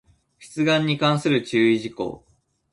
出願に関する注意事項